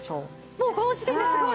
もうこの時点ですごい。